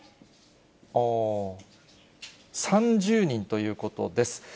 ３０人ということです。